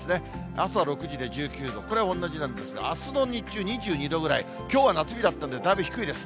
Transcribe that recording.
あすは６時で１９度、これは同じなんですが、あすの日中２２度ぐらい、きょうは夏日だったんで、だいぶ低いです。